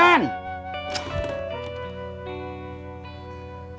kamu mana idan